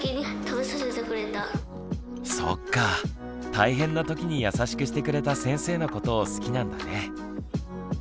大変なときに優しくしてくれた先生のことを好きなんだね。